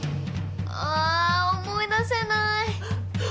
あ思い出せない。